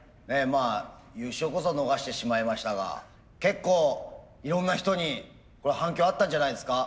まあ優勝こそ逃してしまいましたが結構いろんな人に反響あったんじゃないですか？